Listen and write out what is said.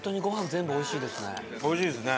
おいしいですね。